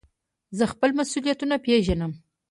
زه خپل مسئولیتونه پېژنم.